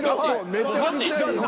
めちゃくちゃいいです。